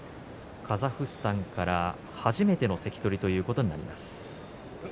カザフスタンから初めての関取ということになります。